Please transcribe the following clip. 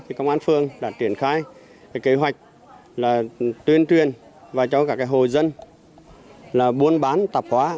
công an phường đã triển khai kế hoạch tuyên truyền và cho cả hồ dân buôn bán tạp hóa